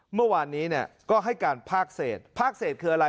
เมื่อวานนี้ก็ให้การภาคเศษภาคเศษคืออะไร